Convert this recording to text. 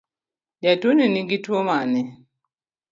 Jatuoni nigi Tuo mane?